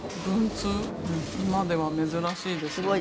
今では珍しいですよね。